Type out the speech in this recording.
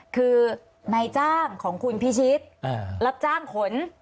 คือนายจ้างของคุณพิชิตรับจ้างขน